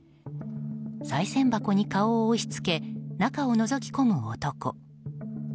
さい銭箱に顔を押し付け中をのぞき込む男。